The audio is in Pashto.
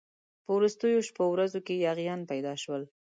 په وروستو شپو ورځو کې یاغیان پیدا شول.